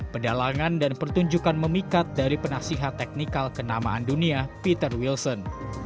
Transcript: pedalangan dan pertunjukan memikat dari penasihat teknikal kenamaan dunia peter wilson